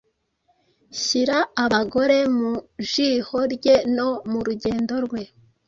hyira abagore mu jiho rye no mu rugendo rwe,